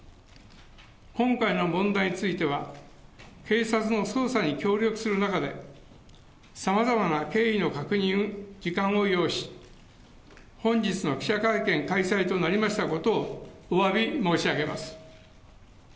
今回の問題については、警察の捜査に協力する中で、さまざまな経緯の確認に時間を要し、本日の記者会見開催となりましたことを、おわび申し上げます。